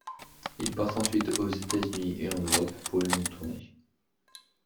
Ils partent ensuite aux Etats-Unis et en Europe pour une longue tournée.